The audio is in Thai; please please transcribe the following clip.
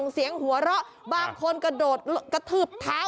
สิ่งหัวเฮาบางคนก็โดดกระทึบทาง